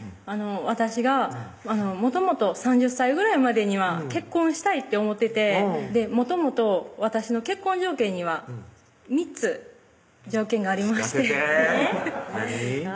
私がもともと３０歳ぐらいまでには結婚したいって思っててもともと私の結婚条件には３つ条件がありまして聞かせて何？